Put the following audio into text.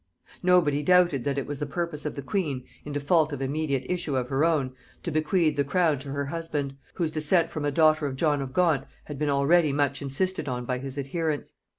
Nobody doubted that it was the purpose of the queen, in default of immediate issue of her own, to bequeath the crown to her husband, whose descent from a daughter of John of Gaunt had been already much insisted on by his adherents.